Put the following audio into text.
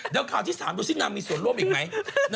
เดี๋ยวข่าวที่๓ดูสินางมีส่วนร่วมอีกไหม